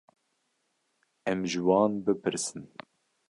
Em ji wan bipirsin.